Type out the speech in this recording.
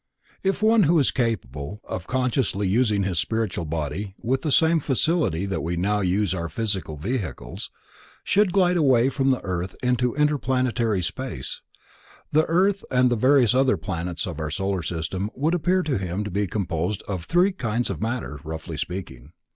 _ If one who is capable of consciously using his spiritual body with the same facility that we now use our physical vehicles should glide away from the earth into interplanetary space, the earth and the various other planets of our solar system would appear to him to be composed of three kinds of matter, roughly speaking.